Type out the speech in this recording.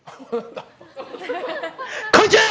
こんにちは！